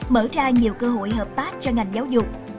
mở ra nhiều cơ hội hợp tác cho ngành giáo dục